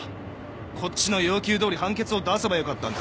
こっちの要求どおり判決を出せばよかったんだ！